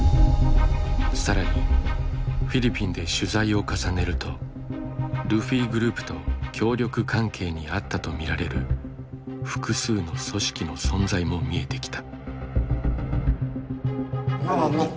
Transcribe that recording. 更にフィリピンで取材を重ねるとルフィグループと協力関係にあったと見られる複数の組織の存在も見えてきた。